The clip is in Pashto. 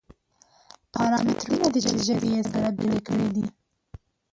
پارامترونه دي چې ژبې یې سره بېلې کړې دي.